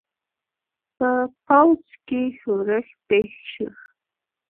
په پوځ کې ښورښ پېښ شو.